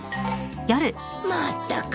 まったく！